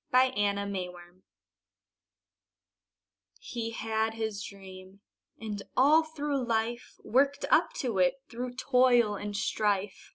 HE HAD HIS DREAM He had his dream, and all through life, Worked up to it through toil and strife.